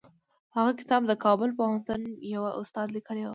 هغه کتاب د کابل پوهنتون یوه استاد لیکلی و.